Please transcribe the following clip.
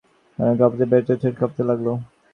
কুমুর মুখে কথা বেরোল না, ঠোঁট কাঁপতে লাগল।